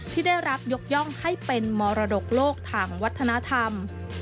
ที่ได้รับยกย่องให้เป็นมรดกโลกทางวัฒนธรรม